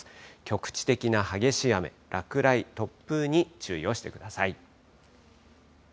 局地的な激しい雨、落雷、突風に注意をしてください。